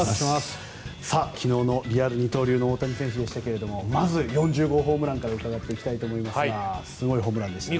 昨日のリアル二刀流の大谷翔平選手でしたがまず４０号ホームランから伺っていきたいと思いますがすごいホームランでしたね。